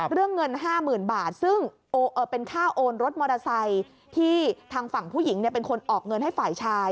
เรื่องเงิน๕๐๐๐บาทซึ่งเป็นค่าโอนรถมอเตอร์ไซค์ที่ทางฝั่งผู้หญิงเป็นคนออกเงินให้ฝ่ายชาย